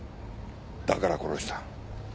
だから殺した。